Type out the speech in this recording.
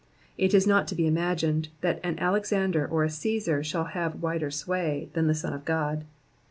It is not lo be imagimd that an Alexander or a Ctesar shall have wider sway than the Son of God.